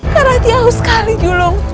kak rati aku sekali julung